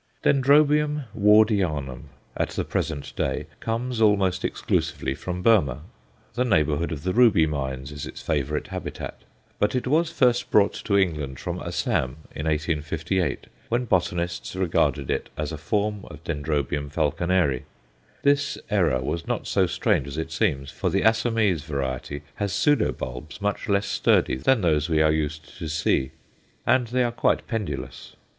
Dendrobium Wardianum, at the present day, comes almost exclusively from Burmah the neighbourhood of the Ruby Mines is its favourite habitat. But it was first brought to England from Assam in 1858, when botanists regarded it as a form of D. Falconeri. This error was not so strange as its seems, for the Assamese variety has pseudo bulbs much less sturdy than those we are used to see, and they are quite pendulous.